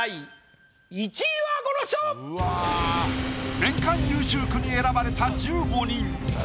年間優秀句に選ばれた１５人。